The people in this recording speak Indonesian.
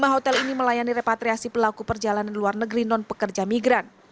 dua puluh hotel ini melayani repatriasi pelaku perjalanan luar negeri non pekerja migran